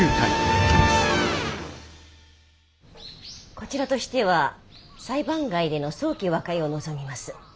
こちらとしては裁判外での早期和解を望みます。